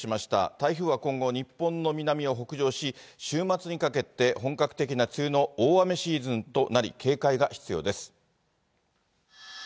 台風は今後、日本の南を北上し、週末にかけて、本格的な梅雨の大雨シーズンとなり、警戒が必要です。